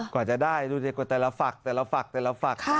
กว่าจะได้ดูสิกว่าแต่ละฝักแต่ละฝักแต่ละฝัก